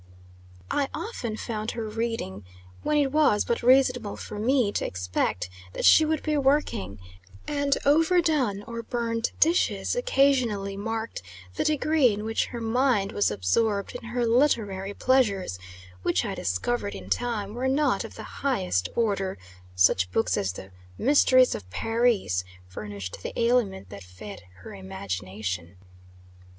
I often found her reading, when it was but reasonable for me to expect that she would be working; and overdone or burnt dishes occasionally marked the degree in which her mind was absorbed in her literary pleasures, which I discovered in time, were not of the highest order such books as the "Mysteries of Paris" furnishing the aliment that fed her imagination.